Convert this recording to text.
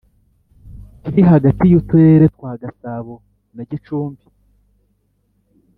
kiri hagati y’uturere twa gasabo na gicumbi,